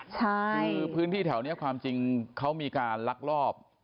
คือพื้นที่แถวนี้ความจริงเขามีการลักลอบ